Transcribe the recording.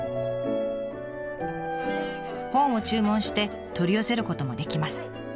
本を注文して取り寄せることもできます。